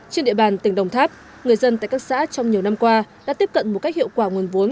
trên địa bàn tỉnh đồng tháp người dân tại các xã trong nhiều năm qua đã tiếp cận một cách hiệu quả nguồn vốn